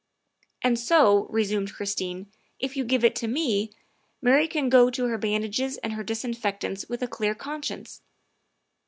"And so," resumed Christine, " if you give it to me, Mary can go to her bandages and her disinfectants with a clear conscience.